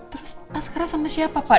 terus askara sama siapa pak